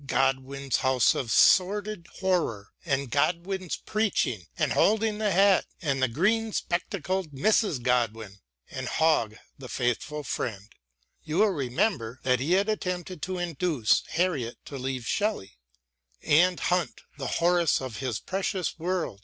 ... Godwin's house of sordid horror and Godwin preaching and holding the hat, and the green spectacled Mrs. Godwin, and Hogg the faithful friend — you will remember that he had attempted to induce Harriet to leave Shelley — and Hunt the Horace of this precious world